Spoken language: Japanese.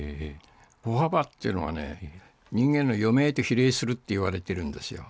歩幅っていうのはね、人間の余命と比例するっていわれているんですよ。